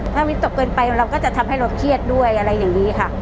ถ้าวิตกเกินไปเราก็จะทำให้เราเครียดด้วยอะไรอย่างนี้ค่ะ